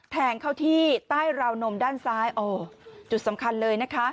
แทงเข้าที่ใต้ราวนมด้านซ้ายโอ้จุดสำคัญเลยนะคะ